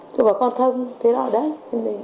cứ bảo con thông thế đó đấy